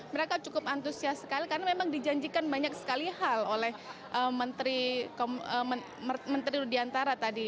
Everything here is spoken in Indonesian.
mereka cukup antusias sekali karena memang dijanjikan banyak sekali hal oleh menteri rudiantara tadi